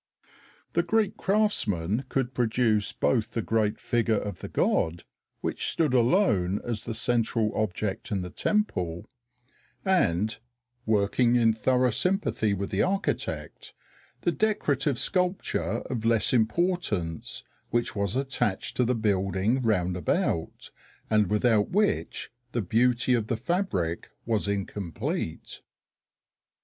The Greek craftsman could produce both the great figure of the god, which stood alone as the central object in the temple, and (working in thorough sympathy with the architect) the decorative sculpture of less importance which was attached to the building round about, and without which the beauty of the fabric was incomplete.